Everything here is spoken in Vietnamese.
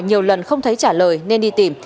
nhiều lần không thấy trả lời nên đi tìm